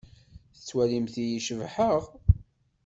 Tettwalimt-iyi cebḥeɣ?